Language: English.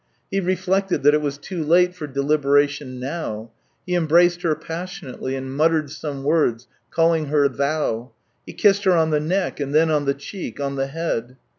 He reflected that it was too late for deliberation now; he embraced her passionately, and muttered some words, calling her thou ; he kissed her on the neck, and then on the cheek, on the head.